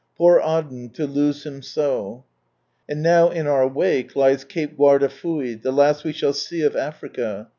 Poor Aden to lose him so ! And now in our wake lies Cape duardafui, the last we shall see of Africa.